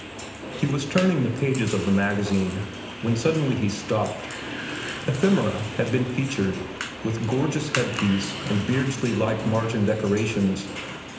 He was turning the pages of the magazine, when suddenly he stopped. "Ephemera" had been featured, with gorgeous head piece and Beardsley like margin decorations.